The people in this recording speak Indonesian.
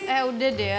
eh udah deh